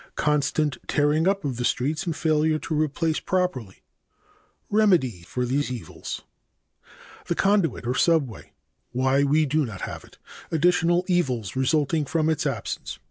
(2) Constant tearing up of the streets and failure to replace properly. (3) Remedy for these evils. A. The conduit or subway. 1. Why we do not have it. 2. Additional evils resulting from its absence.